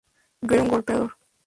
Yo era un golpeador.